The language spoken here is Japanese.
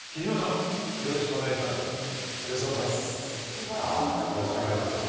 最後によろしくお願いします。